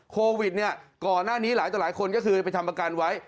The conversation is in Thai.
โควิดเนี่ยก่อนหน้านี้หลายต่อหลายคนก็คือไปทำประกันไว้